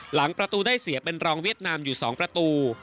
หลังประตูได้เสียเป็นรองเวียดนามอยู่๒ประตู